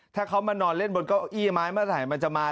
ถ้าเขามานอนเล่นบนเก้าอี้ไม้เมื่อไหร่มันจะมา